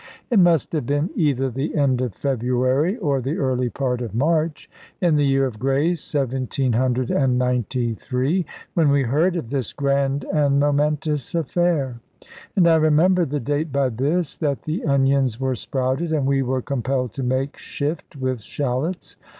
It must have been either the end of February, or the early part of March, in the year of grace 1793, when we heard of this grand and momentous affair. And I remember the date by this, that the onions were sprouted, and we were compelled to make shift with shallots.